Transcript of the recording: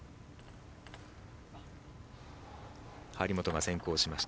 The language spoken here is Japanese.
張本が先行しました。